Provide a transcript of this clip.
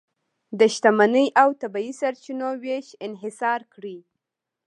د شتمنۍ او طبیعي سرچینو وېش انحصار کړي.